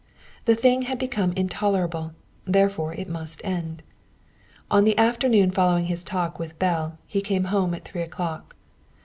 The thing had become intolerable; therefore it must end. On the afternoon following his talk with Belle he came home at three o'clock.